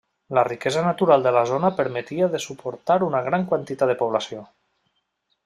La riquesa natural de la zona permetia de suportar una gran quantitat de població.